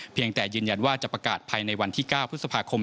แต่ยืนยันว่าจะประกาศภายในวันที่๙พฤษภาคม